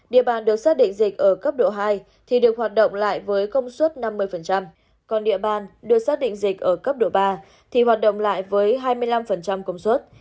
địa bàn được xác định dịch ở cấp độ hai thì được hoạt động lại với công suất năm mươi còn địa bàn được xác định dịch ở cấp độ ba thì hoạt động lại với hai mươi năm công suất